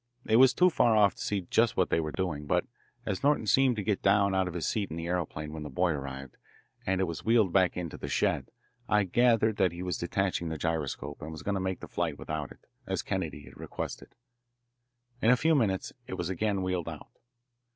It was too far off to see just what they were doing, but as Norton seemed to get down out of his seat in the aeroplane when the boy arrived, and it was wheeled back into the shed, I gathered that he was detaching the gyroscope and was going to make the flight without it, as Kennedy had requested. In a few minutes it was again wheeled out.